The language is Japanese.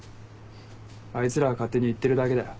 あいつらが勝手に言ってるだけだよ。